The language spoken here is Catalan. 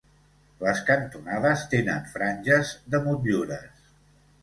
Les cantonades tenen franges de motllures.